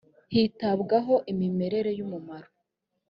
hitabwaho imimerere y umumaro